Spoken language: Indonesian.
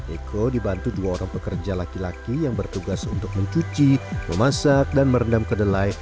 eko dibantu dua orang pekerja laki laki yang bertugas untuk mencuci memasak dan merendam kedelai